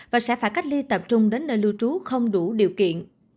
và sẽ phải cách ly tập trung đến nơi lưu trú không đủ điều kiện